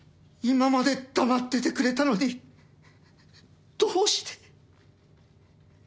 今まで黙っててくれたのにどうして？